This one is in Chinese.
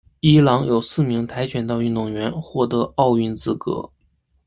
伊朗有四名跆拳道运动员获得奥运资格。